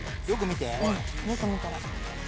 よく見て。